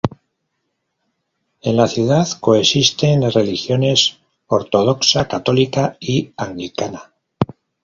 En la ciudad coexisten las religiones Ortodoxa, Católica y Anglicana.